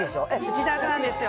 自宅なんですよ。